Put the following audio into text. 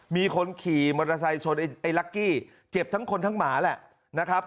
มีคนขี่มอเตอร์ไซค์ชนไอ้ลักกี้เจ็บทั้งคนทั้งหมาแหละนะครับ